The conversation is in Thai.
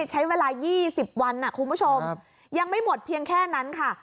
ใช้เวลา๒๐วันคุณผู้ชมยังไม่หมดเพียงแค่นั้นค่ะ